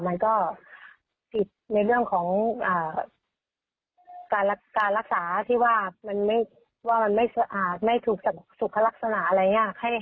มันก็ผิดในเรื่องของการรักษาที่ว่ามันไม่ถูกสุขลักษณะอะไรอย่างนี้